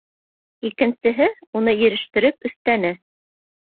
Икенсеһе, уны ирештереп, өҫтәне: